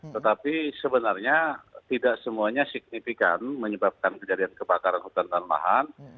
tetapi sebenarnya tidak semuanya signifikan menyebabkan kejadian kebakaran hutan dan lahan